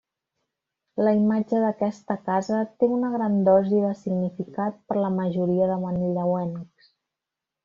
La imatge d'aquesta casa té una gran dosi de significat per la majoria de manlleuencs.